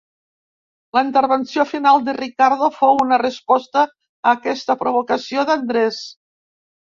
La intervenció final de Ricardo fou una resposta a aquesta provocació d'Andrés.